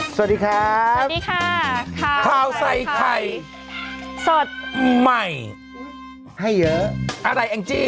สวัสดีครับข้าวใส่ไข่สดใหม่ให้เยอะอะไรแองจี้